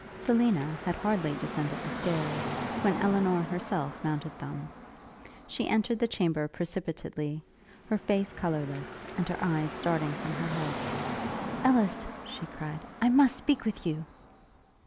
Selina had hardly descended the stairs, when Elinor herself mounted them. She entered the chamber precipitately, her face colourless, and her eyes starting from her head. 'Ellis!' she cried, 'I must speak with you!'